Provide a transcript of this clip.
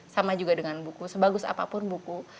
sama juga dengan buku sebagus apapun buku